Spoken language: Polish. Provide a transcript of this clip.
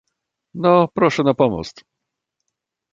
"No, proszę na pomost!"